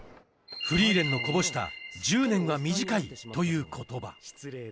フリーレンのこぼした「１０年は短い」という言葉